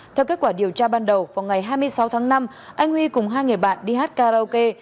theo kết quả điều tra ban đầu vào ngày hai mươi sáu tháng năm anh huy cùng hai người bạn đi hát karaoke